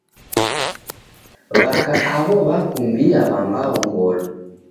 W'aka aw'o w'akumbia w'ambao ngolo.